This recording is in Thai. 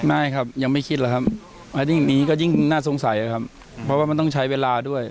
ไม่ครับยังไม่คิดหรอกครับอันนี้ก็ยิ่งน่าสงสัยครับเพราะว่ามันต้องใช้เวลาด้วย